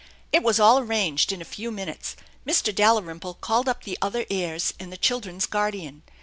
It was all arranged in a few minutes. Mr. Dalrymple called up the other heirs and the children's guardian.